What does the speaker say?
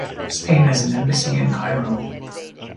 Spain has an embassy in Cairo.